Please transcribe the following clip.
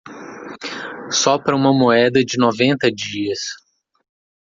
Sopra uma moeda de noventa dias